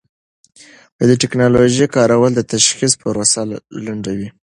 د ټېکنالوژۍ کارول د تشخیص پروسه لنډوي.